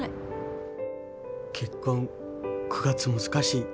結婚９月難しい。